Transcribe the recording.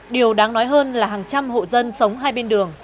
điều đáng nói hơn là hàng trăm hộ dân sống hai bên đường